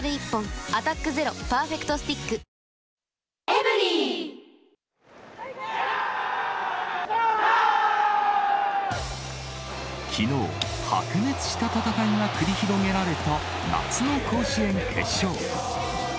「アタックＺＥＲＯパーフェクトスティック」きのう、白熱した戦いが繰り広げられた夏の甲子園決勝。